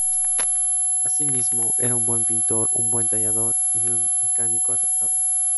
Asimismo, era un buen pintor, un buen tallador y un mecánico aceptable.